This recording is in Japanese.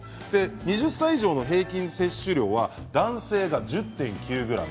２０歳以上の平均摂取量は男性は１０．９ｇ